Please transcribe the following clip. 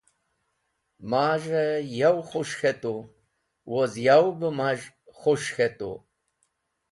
Maz̃h yow khus̃h khetu woz yow be maz̃h khus̃h k̃hetu.